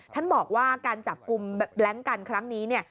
ท่านบอกว่าการจับกลุ่มแบล็งกันครั้งนี้เนี่ย